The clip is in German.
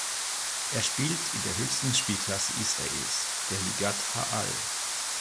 Er spielt in der höchsten Spielklasse Israels, der Ligat ha’Al.